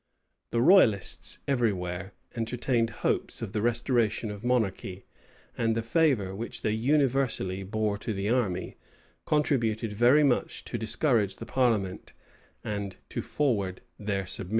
[] The royalists every where entertained hopes of the restoration of monarchy; and the favor which they universally bore to the army, contributed very much to discourage the parliament, and to forward their submission.